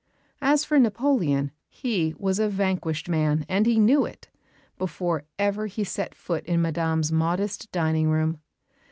As for Napoleon, he was a vanquished man and he knew it before ever he set foot in Madame's modest dining room.